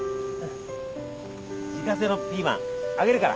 自家製のピーマンあげるから。